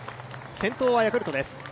先頭はヤクルトです。